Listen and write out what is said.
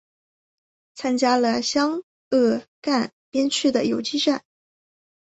参加了湘鄂赣边区的游击战。